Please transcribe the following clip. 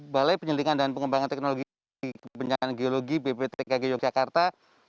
balai penyelidikan dan pengembangan teknologi kebencanaan geologi bptkg yogyakarta